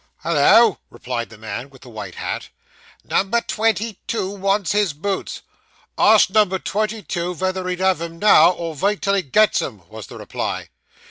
'Hollo,' replied the man with the white hat. 'Number twenty two wants his boots.' 'Ask number twenty two, vether he'll have 'em now, or vait till he gets 'em,' was the reply.